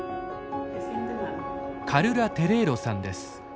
カルラ・テレーロさんです。